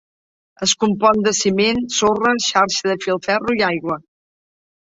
Es compon de ciment, sorra, xarxa de filferro i aigua.